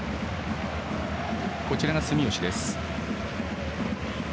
こちらが住吉です。